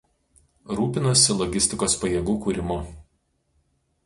Rūpinosi logistikos pajėgų kūrimu.